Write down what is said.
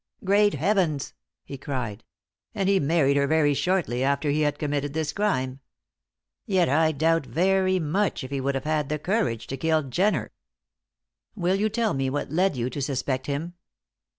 Great Heavens!" he cried. "And he married her very shortly after he had committed this crime. Yet I doubt very much if he would have had the courage to kill Jenner." "Will you tell me what led you to suspect him?"